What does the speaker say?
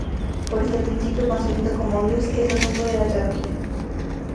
Pero este principio, concebido como Dios, es asunto de la Teología.